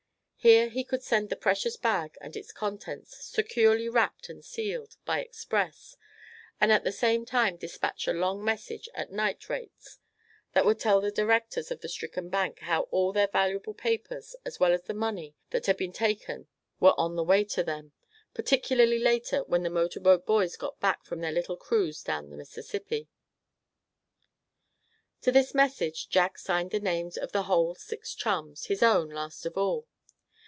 Here he could send the precious bag and its contents, securely wrapped and sealed, by express; and at the same time dispatch a long message at night rates that would tell the directors of the stricken bank how all their valuable papers as well as the money that had been taken were on the way to them, particularly later when the motor boat boys got back from their little cruise down the Mississippi. To this message Jack signed the names of the whole six chums, his own last of all.